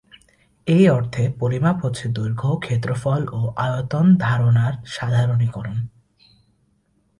এই অর্থে পরিমাপ হচ্ছে দৈর্ঘ্য, ক্ষেত্রফল ও আয়তন ধারণার সাধারণীকরণ।